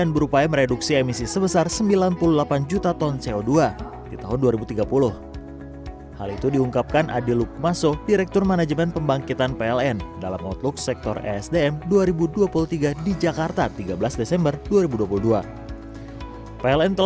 bumn kelistrikan pt pln persero